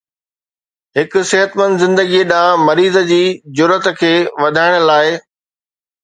هڪ صحتمند زندگي ڏانهن مريضن جي جرئت کي وڌائڻ لاء